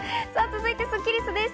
続いてスッキりすです。